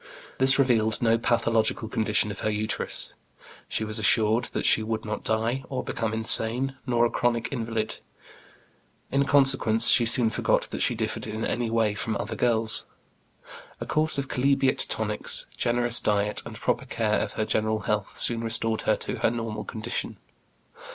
This revealed no pathological condition of her uterus. She was assured that she would not die, or become insane, nor a chronic invalid. In consequence she soon forgot that she differed in any way from other girls. A course of chalybeate tonics, generous diet, and proper care of her general health, soon restored her to her normal condition.